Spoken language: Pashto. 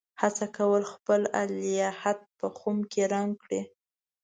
هڅه کوله خپل الهیات په خُم کې رنګ کړي.